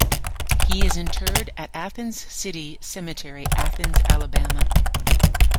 He is interred at Athens City Cemetery, Athens, Alabama.